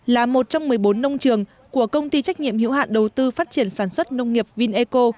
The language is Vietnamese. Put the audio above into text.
là một trong một mươi bốn nông trường của công ty trách nhiệm hiệu hạn đầu tư phát triển sản xuất nông nghiệp vineco